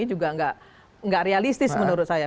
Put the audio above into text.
juga nggak realistis menurut saya